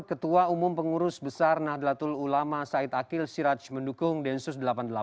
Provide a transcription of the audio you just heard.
ketua umum pengurus besar nahdlatul ulama said akil siraj mendukung densus delapan puluh delapan